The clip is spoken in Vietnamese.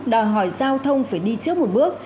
đòi hỏi giao thông phải đi trước một bước